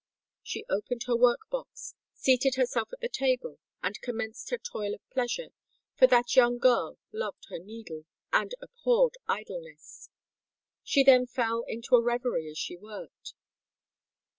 She opened her work box, seated herself at the table, and commenced her toil of pleasure—for that young girl loved her needle, and abhorred idleness. She then fell into a reverie as she worked.